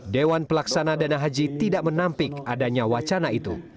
dewan pelaksana dana haji tidak menampik adanya wacana itu